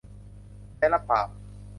แพะรับบาป